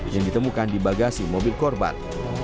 yang ditemukan di bagasi mobil korban